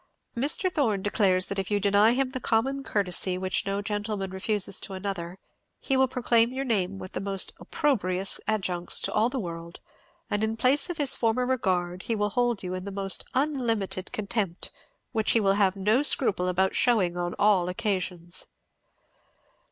"Mr. Thorn declares that if you deny him the common courtesy which no gentleman refuses to another, he will proclaim your name with the most opprobrious adjuncts to all the world, and in place of his former regard he will hold you in the most unlimited contempt, which he will have no scruple about shewing on all occasions."